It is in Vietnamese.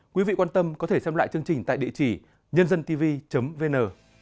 quý vị quan tâm có thể xem lại chương trình tại địa chỉ nhândântv vn